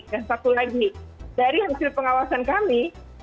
dan satu lagi dari hasil pengawasan kami